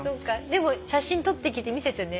でも写真撮ってきて見せてね。